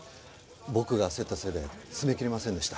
僕が焦ったせいで詰めきれませんでした。